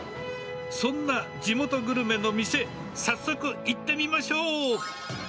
そんな地元グルメの店、早速いってみましょう。